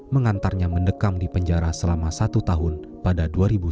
mengantarnya mendekam di penjara selama satu tahun pada dua ribu sepuluh